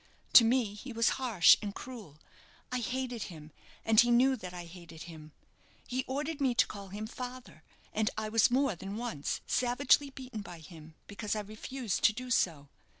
To me he was harsh and cruel. I hated him, and he knew that I hated him. He ordered me to call him father, and I was more than once savagely beaten by him because I refused to do so.